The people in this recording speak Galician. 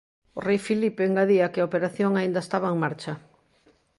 O rei Filipe engadía que a operación aínda estaba en marcha.